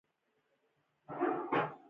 د افغانستان جغرافیه کې سلیمان غر ستر اهمیت لري.